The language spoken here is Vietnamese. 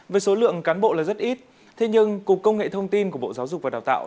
với số lượng cán bộ là rất ít thế nhưng cục công nghệ thông tin của bộ giáo dục và đào tạo